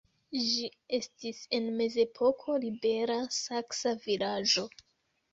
Ĝi estis en mezepoko libera saksa vilaĝo.